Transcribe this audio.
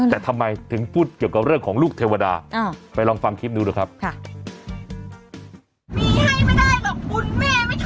แต่ทำไมถึงพูดเกี่ยวกับเรื่องของลูกเทวดาไปลองฟังคลิปดูดูครับ